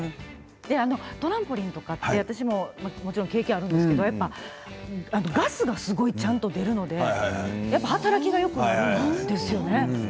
トランポリンって私ももちろん経験ありますがガスがすごいちゃんと出るのでやっぱり働きがよくなるんですよね。